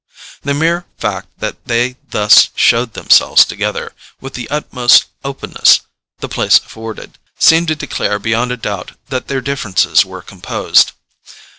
The mere fact that they thus showed themselves together, with the utmost openness the place afforded, seemed to declare beyond a doubt that their differences were composed.